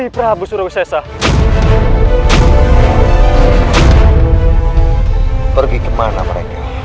pergi kemana mereka